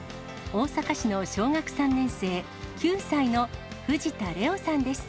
大阪市の小学３年生、９歳の藤田怜央さんです。